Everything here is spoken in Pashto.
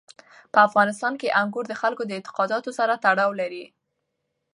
په افغانستان کې انګور د خلکو د اعتقاداتو سره تړاو لري.